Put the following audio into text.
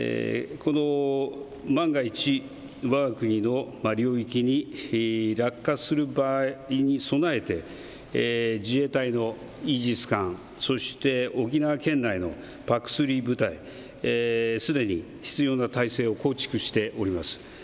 万が一、わが国の領域に落下する場合に備えて自衛隊のイージス艦、そして沖縄県内のＰＡＣ３部隊、すでに必要な態勢を構築しております。